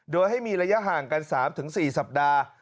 โดยให้มีระยะห่างกัน๓๔สัปดาห์